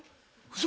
嘘！？